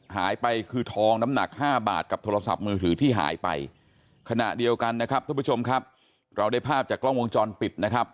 หายไปคือทองน้ำหนักห้าบาทกับโทรศัพท์มือถือที่หายไปขณะเดียวกันนะครับท่านผู้ชมครับเราได้ภาพจากกล้องวงจรปิดนะครับ